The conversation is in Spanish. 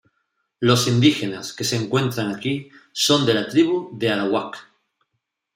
Los indígenas que se encuentran aquí son de la tribu de Arawak.